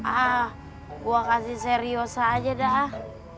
ah gue kasih serius aja dah